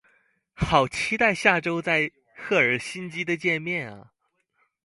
好期待下周在赫尔辛基的见面啊